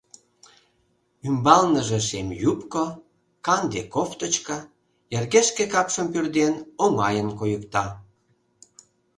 Ӱмбалныже шем юбко, канде кофточка, йыргешке капшым пӱрден, оҥайын койыкта.